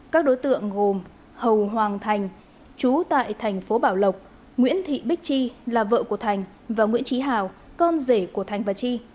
các đối tượng gồm hầu hoàng thành chú tại thành phố bảo lộc nguyễn thị bích chi là vợ của thành và nguyễn trí hào con rể của thành và chi